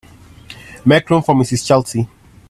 Make room for Mrs. Chelsea.